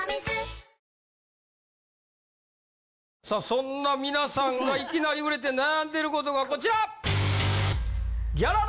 そんな皆さんがいきなり売れて悩んでいることがこちら！